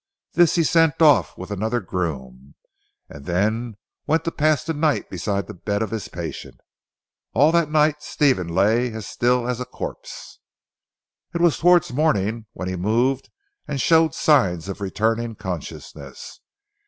This he sent off with another groom, then went to pass the night beside the bed of his patient. All that night Stephen lay as still as a corpse. It was towards morning when he moved and showed signs of returning consciousness.